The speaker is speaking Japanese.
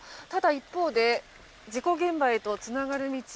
一方で事故現場へとつながる道